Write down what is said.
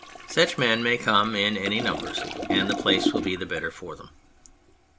Such men may come in any numbers and the place will be the better for them.